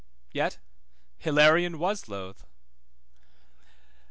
Yet Hilarion was loth.